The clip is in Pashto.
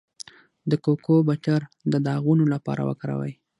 د کوکو بټر د داغونو لپاره وکاروئ